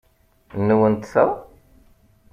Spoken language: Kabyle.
Nwent ta?